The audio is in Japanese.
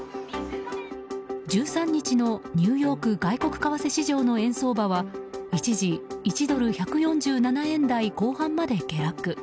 １３日のニューヨーク外国為替市場の円相場は一時１ドル＝１４７円台後半まで下落。